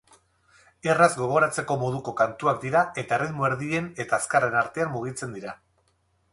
Erraz gogoratzeko moduko kantuak dira eta erritmo erdien eta azkarren artean mugitzen dira.